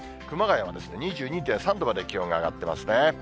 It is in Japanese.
熊谷は２２．３度まで気温が上がってますね。